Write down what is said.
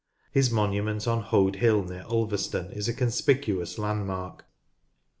His monument on Hoad Hill near Ulverston is a con spicuous landmark.